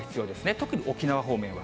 特に沖縄方面は。